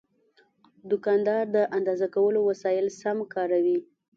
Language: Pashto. دوکاندار د اندازه کولو وسایل سم کاروي.